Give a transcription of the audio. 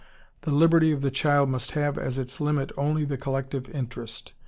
The liberty of the child must have as its limit only the collective interest.